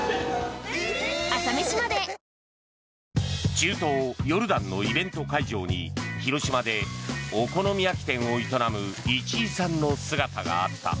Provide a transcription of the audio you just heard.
中東ヨルダンのイベント会場に広島でお好み焼き店を営む市居さんの姿があった。